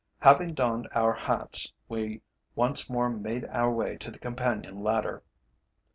Having donned our hats, we once more made our way to the companion ladder.